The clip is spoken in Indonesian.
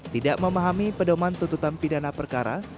tidak memahami pedoman tuntutan pidana perkara